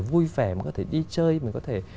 vui vẻ mình có thể đi chơi mình có thể